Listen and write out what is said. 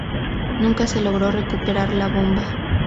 Nunca se logró recuperar la bomba.